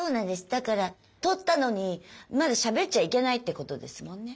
だから撮ったのにまだしゃべっちゃいけないってことですもんね。